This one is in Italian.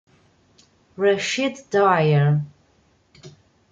Rasheed Dwyer